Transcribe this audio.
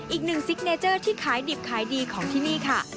อีกหนึ่งซิกเนเจอร์ที่ขายดิบขายดีของที่นี่ค่ะ